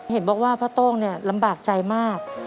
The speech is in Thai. เห็นบอกว่าพ่อโต้งเนี่ยลำบากใจมาก